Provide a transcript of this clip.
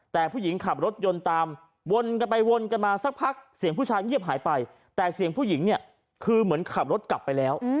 แต่ผู้หญิงขับรถยนต์ตามวนกันไปวนกันมาสักพักเสียงผู้ชายเงียบหายไปแต่เสียงผู้หญิงเนี่ยคือเหมือนขับรถกลับไปแล้ว